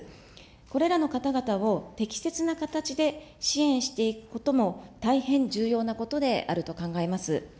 これらの方々を、適切な形で支援していくことも大変重要なことであると考えます。